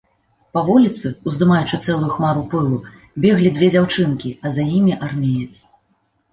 Па вуліцы, уздымаючы цэлую хмару пылу, беглі дзве дзяўчынкі, а за імі армеец.